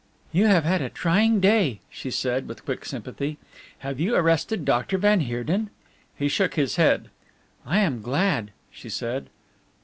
"You have had a trying day," she said, with quick sympathy, "have you arrested Doctor van Heerden?" He shook his head. "I am glad," she said.